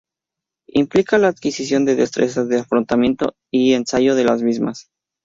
Implica la adquisición de destrezas de afrontamiento y ensayo de las mismas.